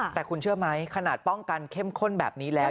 แต่คุณเชื่อไหมขนาดป้องกันเข้มข้นแบบนี้แล้ว